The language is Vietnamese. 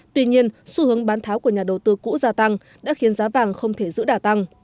tuy nhiên xu hướng bán tháo của nhà đầu tư cũ gia tăng đã khiến giá vàng không thể giữ đả tăng